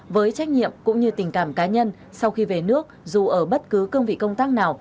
với trách nhiệm cũng như tình cảm cá nhân sau khi về nước dù ở bất cứ cương vị công tác nào